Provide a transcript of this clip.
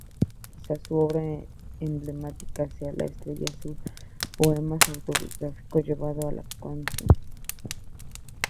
Quizás su obra emblemática sea "La estrella azul", poema autobiográfico llevado a la canción.